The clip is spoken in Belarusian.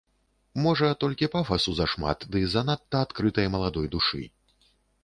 Можа, толькі пафасу зашмат ды занадта адкрытай маладой душы.